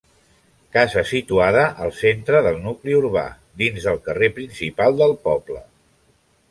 Casa situada al centre del nucli urbà, dins del carrer principal del poble.